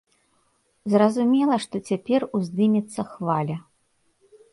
Зразумела, што цяпер уздымецца хваля.